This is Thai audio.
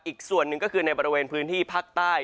อีกส่วนหนึ่งก็คือในบริเวณพื้นที่ภาคใต้